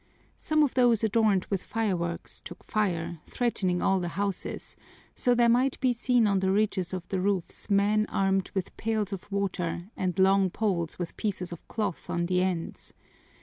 Some of those adorned with fireworks took fire, threatening all the houses, so there might be seen on the ridges of the roofs men armed with pails of water and long poles with pieces of cloth on the ends.